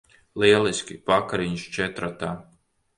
Lieliski. Vakariņas četratā.